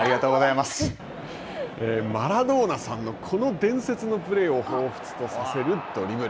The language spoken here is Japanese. マラドーナさんの、この伝説のプレーをほうふつとさせる、ドリブル。